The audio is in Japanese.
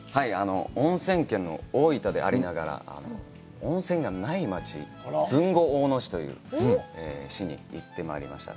おんせん県の大分でありながら、温泉がない町、豊後大野市という市に行ってまいりました。